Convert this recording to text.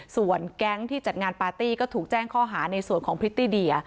ส่วนแก๊งที่จัดงานปาร์ตี้ก็ถูกแจ้งข้อหาในส่วนของพริตตี้เดีย